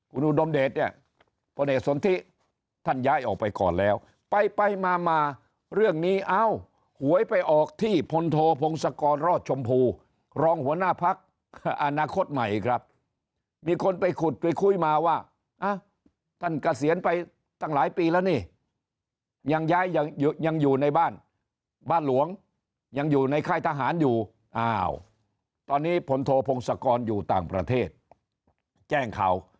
คุณอุดมเดชเนี่ยพลเอกสนทิท่านย้ายออกไปก่อนแล้วไปไปมามาเรื่องนี้เอ้าหวยไปออกที่พลโทพงศกรรอดชมพูรองหัวหน้าพักอนาคตใหม่ครับมีคนไปขุดไปคุยมาว่าท่านเกษียณไปตั้งหลายปีแล้วนี่ยังย้ายยังอยู่ในบ้านบ้านหลวงยังอยู่ในค่ายทหารอยู่อ้าวตอนนี้พลโทพงศกรอยู่ต่างประเทศแจ้งข่าว